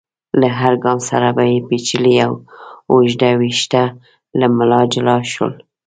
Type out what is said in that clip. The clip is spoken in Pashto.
له هر ګام سره به يې پيچلي اوږده ويښته له ملا جلا شول.